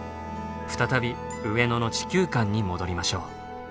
再び上野の地球館に戻りましょう。